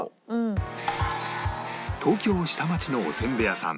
東京下町のおせんべい屋さん